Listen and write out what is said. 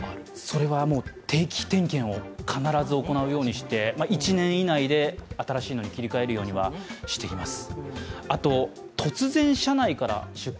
それはもう定期点検を必ず行うようにして、１年以内で新しいものに取り替えるようにはしています。